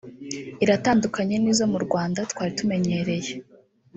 Iratandukanye n’izo mu Rwanda twari tumenyereye